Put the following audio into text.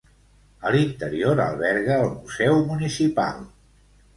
A l'interior alberga el Museu Municipal.